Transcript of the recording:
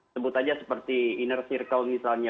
sebut aja seperti inner circle misalnya